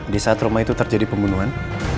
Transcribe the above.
di saat rumah itu terjadi pembunuhan